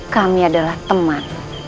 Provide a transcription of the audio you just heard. kami adalah teman